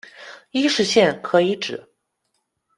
伊势线可以指：